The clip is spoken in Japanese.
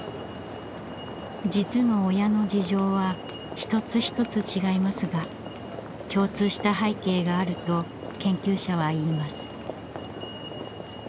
実の親の事情は一つ一つ違いますが共通した背景があると研究者は言います。